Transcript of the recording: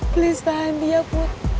please tahan dia put